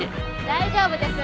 大丈夫です。